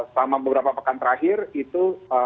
selama beberapa pekan terakhir itu